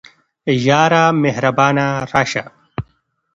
یاره مهربانه راسه